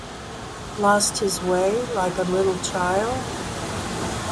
Lost his way like a little child?